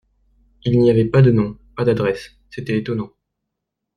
Il n’y avait pas de nom, pas d’adresse, c’était étonnant.